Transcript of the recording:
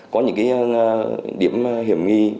có những điểm hiểm nghi